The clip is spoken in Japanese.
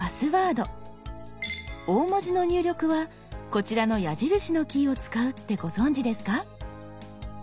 大文字の入力はこちらの矢印のキーを使うってご存じですか？